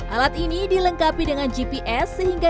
alat ini dilengkapi dengan gps sehingga